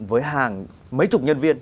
với hàng mấy chục nhân viên